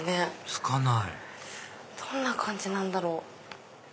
つかないどんな感じなんだろう？